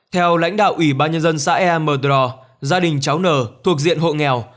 theo lãnh đạo ủy ban nhân dân xã ea mờ đro gia đình cháu n thuộc diện hộ nghèo